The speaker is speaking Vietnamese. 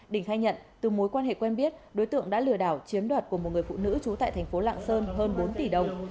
đình khai nhận từ mối quan hệ quen biết đối tượng đã lừa đảo chiếm đoạt của một người phụ nữ trú tại thành phố lạng sơn hơn bốn tỷ đồng